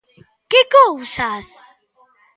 Que cousas!